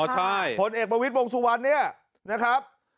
ใช่ผลเอกประวิทย์วงสุวรรณเนี่ยนะครับ